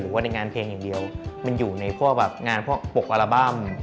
ว่าในงานเพลงอย่างเดียวมันอยู่ในพวกแบบงานพวกปกอัลบั้ม